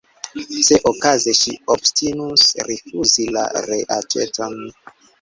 Se okaze ŝi obstinus rifuzi la reaĉeton!